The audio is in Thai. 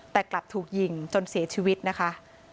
แต่กลับถูกยิงจนเสียชีวิตนะคะ